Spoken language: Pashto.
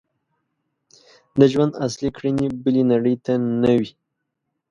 د ژوند اصلي کړنې بلې نړۍ ته نه وي.